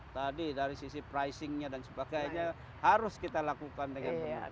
tadi dari sisi pricingnya dan sebagainya harus kita lakukan dengan benar